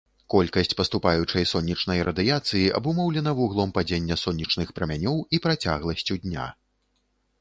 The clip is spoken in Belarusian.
Колькасць паступаючай сонечнай радыяцыі абумоўлена вуглом падзення сонечных прамянёў і працягласцю дня.